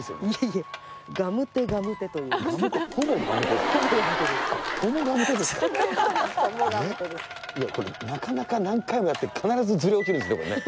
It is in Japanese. いやこれなかなか何回もやって必ずずれ落ちるんですねこれね。